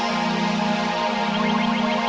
jangan coba coba kau menyentuhnya